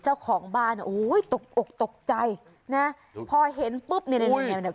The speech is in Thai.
เจ้าของบ้านโอ้ยตกตกใจนะพอเห็นปุ๊บเนี้ยเนี้ยเนี้ยเนี้ย